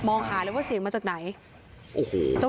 หาเลยว่าเสียงมาจากไหนโอ้โห